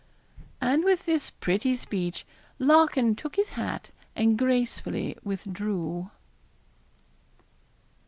And with this pretty speech Larkin took his hat, and gracefully withdrew.